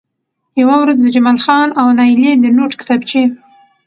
يوه ورځ د جمال خان او نايلې د نوټ کتابچې